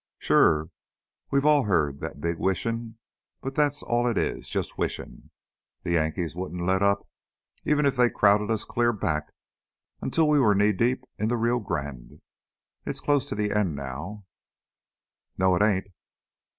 "Sure, we've all heard that big wishin', but that's all it is, just wishin'. The Yankees wouldn't let up even if they crowded us clear back until we're knee deep in the Rio Grande. It's close to the end now " "No, it ain't!"